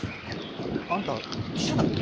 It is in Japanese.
あんた記者だっけ？